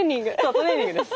トレーニングです